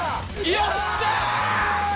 よっしゃ！